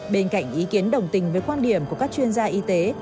bên cạnh ý kiến đồng tình với quan điểm của các chuyên gia y tế